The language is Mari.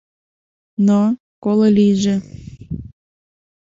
Но, коло лийже...